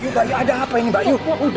mbak yu ada apa ini mbak yu